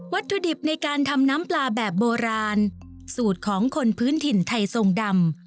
ถุดิบในการทำน้ำปลาแบบโบราณสูตรของคนพื้นถิ่นไทยทรงดำ